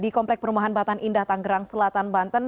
di komplek perumahan batan indah tanggerang selatan banten